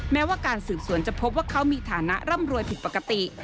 แม้ว่าการสืบสวนจะพบว่าเขามีฐานะร่ำรวยผิดปกติ